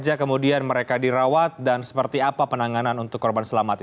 dan kemudian mereka dimana saja dirawat dan seperti apa penanganan untuk korban selamatnya